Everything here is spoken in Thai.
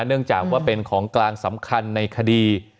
เนื่องจากว่าเป็นของกลางสำคัญในคดี